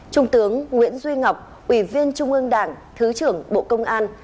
trung tướng nguyễn duy ngọc ủy viên trung ương đảng thứ trưởng bộ công an